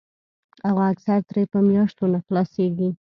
او اکثر ترې پۀ مياشتو نۀ خلاصيږي